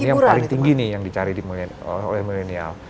ini yang paling tinggi nih yang dicari oleh milenial